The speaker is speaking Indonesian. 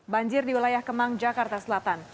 banjir di wilayah kemang jakarta selatan